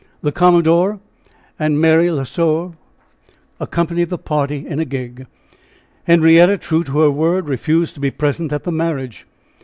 The commodore and Mary L'Oiseau accompanied the party in a gig. Henrietta, true to her word, refused to be present at the marriage.